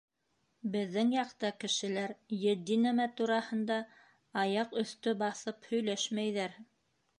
Беҙҙең яҡта кешеләр етди нәмә тураһында аяҡ өҫтө баҫып һөйләшмәйҙәр.